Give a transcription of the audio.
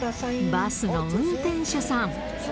バスの運転手さん。